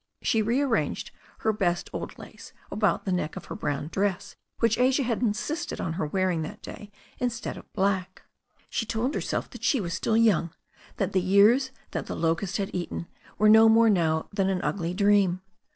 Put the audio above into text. She rearranged her best old lace about the neck of the brown dress, which Asia had insisted on her wearing that day instead of black. She told herself that she was still young, that the years that the locust had eaten were no more now than an ugly dream.